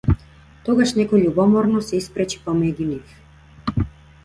Тогаш некој љубоморно се испречи помеѓу нив.